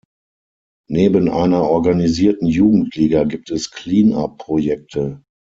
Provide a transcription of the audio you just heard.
Neben einer organisierten Jugendliga gibt es "Clean-up-Projekte".